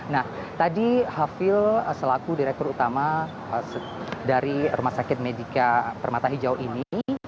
nah tadi hafil selaku direktur utama dari rumah sakit medica permata hijau ini